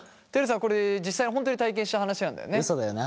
これ実際に本当に体験した話なんだよね？